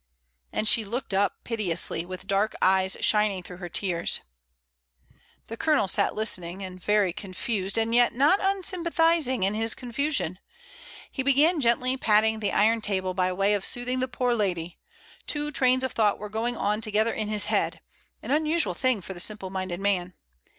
And she looked up piteously, with dark eyes shining through her tears. The Colonel sat listening and very confused. COFFEE. 55 and yet not unsympathising in his confusion; he began gently patting the iron table by way of soothing the poor lady; two trains of thought were going on together in his head, an unusual thing for the simple minded man.